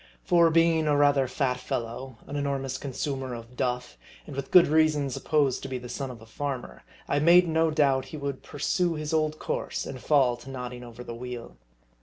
For being a rather fat fellow, an enormous consumer of " duff," and with good reason supposed to be the son of a farmer, I made no doubt, he would pursue his old course and fall to nodding over the wheel.